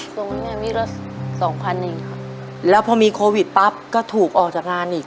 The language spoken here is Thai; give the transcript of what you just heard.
ตรงนี้เนี่ยมีรถสองพันเองครับแล้วพอมีโควิดปั๊บก็ถูกออกจากงานอีก